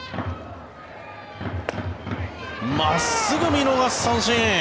真っすぐ見逃し三振。